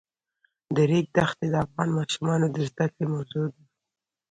د ریګ دښتې د افغان ماشومانو د زده کړې موضوع ده.